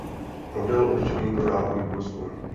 Model určený pro dálkový průzkum.